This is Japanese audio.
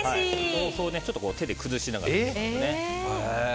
豆腐を手で崩しながら入れます。